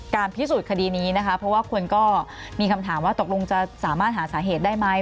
พิสูจน์คดีนี้นะคะเพราะว่าคนก็มีคำถามว่าตกลงจะสามารถหาสาเหตุได้ไหม